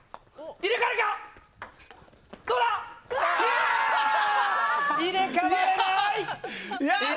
入れ替われない！